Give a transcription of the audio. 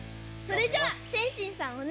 それじゃあ天心さん